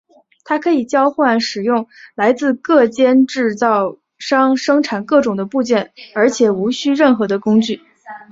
它可以交换使用来自各间制造商生产各种的部件而且无需任何的工具。